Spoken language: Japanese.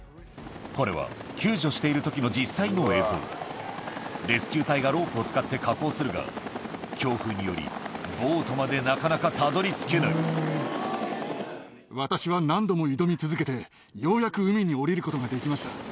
これは救助している時の実際の映像レスキュー隊がロープを使って下降するが強風によりボートまでなかなかたどり着けない私は何度も挑み続けてようやく海に降りることができました。